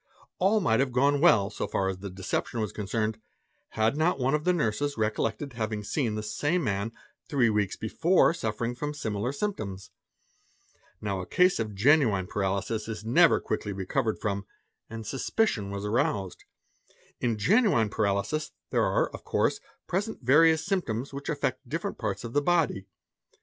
All might have gone well so far as the deception was concerned, had not one of the ; of a particular case. nurses recollected having seen the same man three weeks before suffer ing from similar symptoms. Now, a case of genuine paralysis is never = quickly recovered from, and suspicion was aroused. In genuine paralysis there are, of course, present various symptoms which affect different Bats of the body.